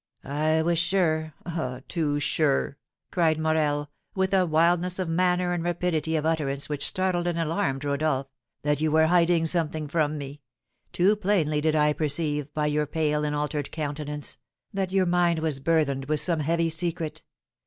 "I was sure, ah, too sure," cried Morel, with a wildness of manner and rapidity of utterance which startled and alarmed Rodolph, "that you were hiding something from me. Too plainly did I perceive, by your pale and altered countenance, that your mind was burthened with some heavy secret.